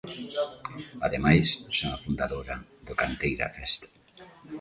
Ademais, son a fundadora do Canteira Fest.